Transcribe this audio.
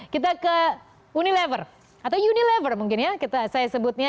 kita ke unilever atau unilever mungkin ya saya sebutnya